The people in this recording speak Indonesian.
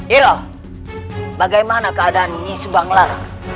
iru bagaimana keadaan ise banglar